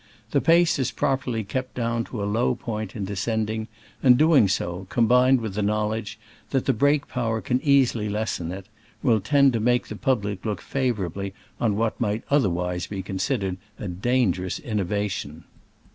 The pace is prop erly kept down to a low point in descend ing, and doing so, combined with the knowledge that the brake power can easily lessen it, will tend to make the public look favorably on what might otherwise be considered a dangerous innovation.